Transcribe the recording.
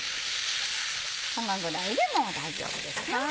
このぐらいでもう大丈夫です。